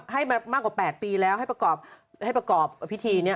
ให้มามากกว่า๘ปีแล้วให้ประกอบพิธีนี้